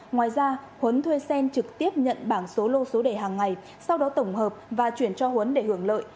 ngoài ra huấn thuê xen trực tiếp nhận bảng số lô số đề hàng ngày sau đó tổng hợp và chuyển cho huấn để hưởng lợi